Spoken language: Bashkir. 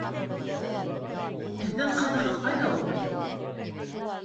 Һеҙҙең ҡыҙығыҙ ҡайҙа уҡый?